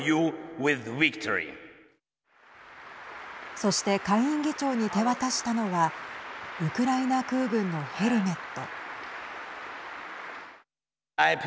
そして下院議長に手渡したのはウクライナ空軍のヘルメット。